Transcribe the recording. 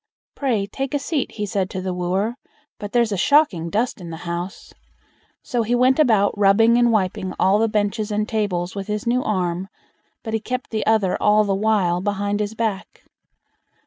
"Pray, take a seat", he said to the wooer; "but there's a shocking dust in the house." So he went about rubbing and wiping all the benches and tables with his new arm, but he kept the other all the while behind his back.